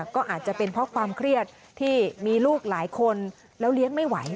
ก็อาจจะเป็นเพราะความเครียดที่มีลูกหลายคนแล้วเลี้ยงไม่ไหว